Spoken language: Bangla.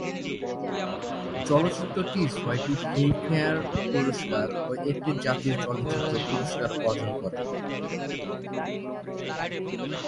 চলচ্চিত্রটি ছয়টি ফিল্মফেয়ার পুরস্কার ও একটি জাতীয় চলচ্চিত্র পুরস্কার অর্জন করে।